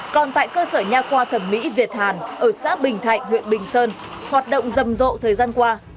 còn tại cơ sở nhà khoa thẩm mỹ việt hàn ở xã bình thạnh huyện bình sơn hoạt động rầm rộ thời gian qua